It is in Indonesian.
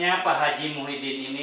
ya pak haji muhyiddin ini